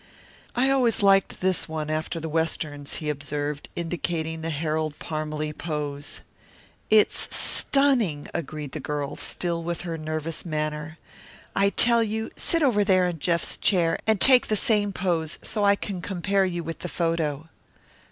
"I always liked this one, after the Westerns," he observed, indicating the Harold Parmalee pose. "It's stunning," agreed the girl, still with her nervous manner. "I tell you, sit over there in Jeff's chair and take the same pose, so I can compare you with the photo."